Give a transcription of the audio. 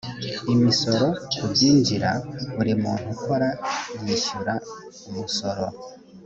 imisoro ku byinjira buri muntu ukora yishyura umusoro